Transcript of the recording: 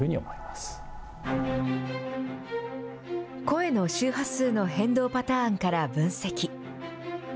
声の周波数の変動パターンから分析。